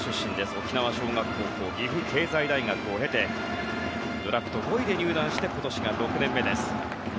沖縄尚学高校岐阜経済大学を経てドラフト５位で入団して今年が６年目です。